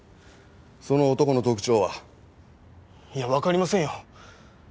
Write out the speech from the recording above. その男の特徴は？いやわかりませんよ。